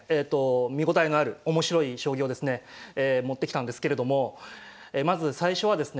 見応えのある面白い将棋をですね持ってきたんですけれどもまず最初はですね